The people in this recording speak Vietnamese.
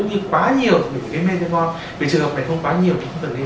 như quá nhiều thì mình phải gây men cho con vì trường hợp này không quá nhiều thì không cần gây